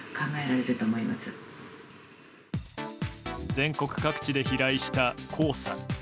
全国各地で飛来した黄砂。